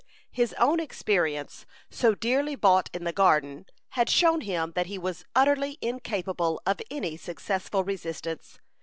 His own experience, so dearly bought in the garden, had shown him that he was utterly incapable of any successful resistance.